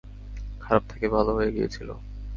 খারাপ থেকে ভালো হয়ে গিয়েছিল।